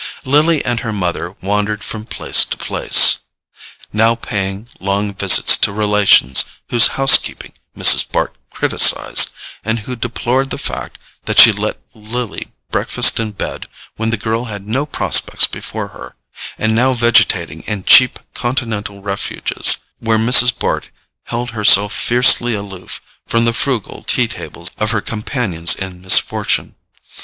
Lily and her mother wandered from place to place, now paying long visits to relations whose house keeping Mrs. Bart criticized, and who deplored the fact that she let Lily breakfast in bed when the girl had no prospects before her, and now vegetating in cheap continental refuges, where Mrs. Bart held herself fiercely aloof from the frugal tea tables of her companions in misfortune.